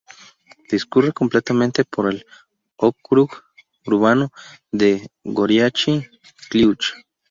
Discurre completamente por el ókrug urbano de Goriachi Kliuch.